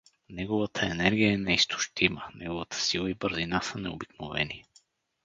Неговата енергия е неизтощима, неговата сила и бързина са необикновени.